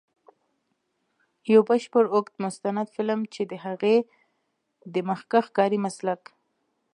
یو بشپړ اوږد مستند فلم، چې د هغې د مخکښ کاري مسلک.